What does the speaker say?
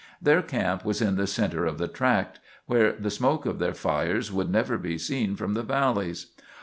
Their camp was in the center of the tract, where the smoke of their fires would never be seen from the valleys.